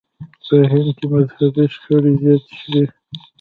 په هند کې مذهبي شخړې زیاتې شوې.